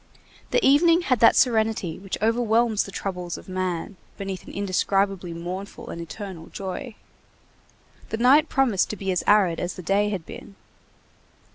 The evening had that serenity which overwhelms the troubles of man beneath an indescribably mournful and eternal joy. The night promised to be as arid as the day had been.